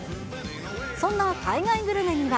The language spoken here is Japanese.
そんな海外グルメには。